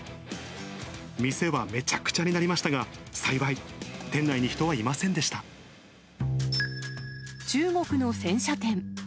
店はめちゃくちゃになりましたが、幸い、中国の洗車店。